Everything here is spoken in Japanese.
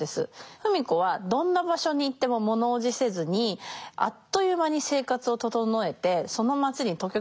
芙美子はどんな場所に行っても物おじせずにあっという間に生活を整えてその街に溶け込んでしまうという特技があります。